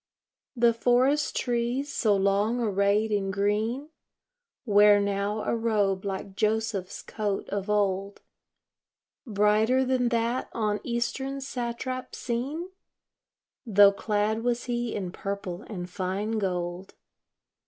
The forest trees, so long arrayed in green, Wear now a robe like Joseph's coat of old, Brighter than that on eastern satrap seen, Tho' clad was he in purple and fine gold.